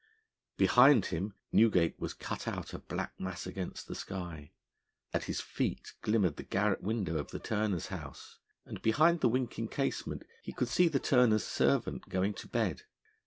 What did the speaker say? Behind him Newgate was cut out a black mass against the sky; at his feet glimmered the garret window of the turner's house, and behind the winking casement he could see the turner's servant going to bed.